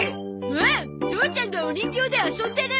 うわっ父ちゃんがお人形で遊んでる。